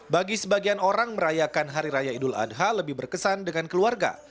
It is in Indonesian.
bagi sebagian orang merayakan hari raya idul adha lebih berkesan dengan keluarga